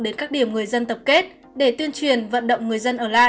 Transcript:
đến các điểm người dân tập kết để tuyên truyền vận động người dân ở lại